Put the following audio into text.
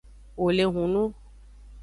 Wole hunun.